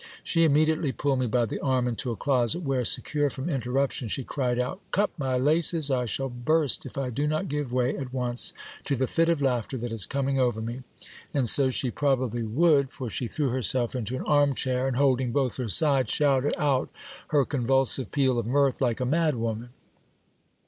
She immediately pulled me by the arm into a closet, where, secure from inter ruption, she cried out, Cut my laces ! I shall burst if I do not give way at once to the fit of laughter that is coming over me. And so she probably would ; for she threw herself into an arm chair, and holding both her sides, shouted out her convulsive peal of mirth like a mad woman.